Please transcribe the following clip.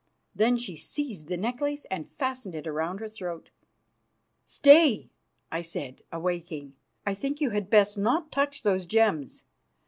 Then she seized the necklace and fastened it round her throat. "Stay," I said, awaking. "I think you had best not touch those gems.